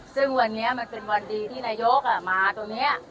ซึ่งวันนี้มันเป็นวันดีที่นายกมาตรงนี้